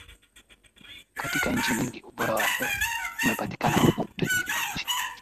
Katika nchi nyingi ubora wa hewa umepatikana huku utajiri wa nchi